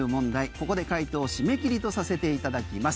ここで回答締め切りとさせていただきます。